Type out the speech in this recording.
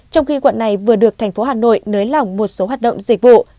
trong khi quận này vừa được thành phố hà nội nới lỏng một số hoạt động dịch vụ